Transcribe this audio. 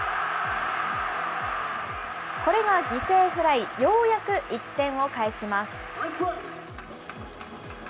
これが犠牲フライ、ようやく１点を返します。